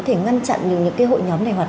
thể ngăn chặn những cái hội nhóm này hoạt